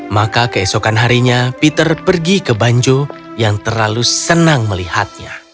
maka keesokan harinya peter pergi ke banjo yang terlalu senang melihatnya